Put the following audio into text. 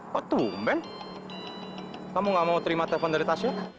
kok tuh ben kamu nggak mau terima telepon dari tasya